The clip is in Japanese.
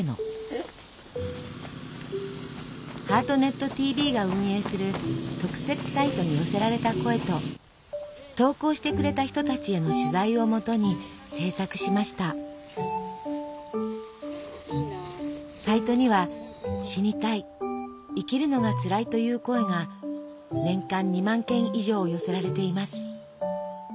「ハートネットＴＶ」が運営する特設サイトに寄せられた声と投稿してくれた人たちへの取材をもとに制作しましたサイトには死にたい生きるのがつらいという声が年間２万件以上寄せられています